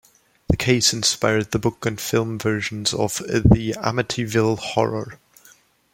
The case inspired the book and film versions of "The Amityville Horror".